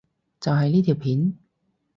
就係呢條片？